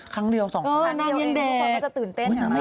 ครั้งเดียว๒ครั้งไม่ได้เด็กละพี่โอ๊ยพี่เยอะนะ๒๘ปี